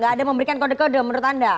ada memberikan kode kode menurut anda